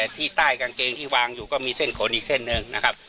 ที่ใต้กางเกงที่วางอยู่ก็มีเส้นขนอีกเส้นหนึ่งนะครับ